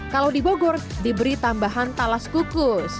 kalau di bogor diberi tambahan talas kukus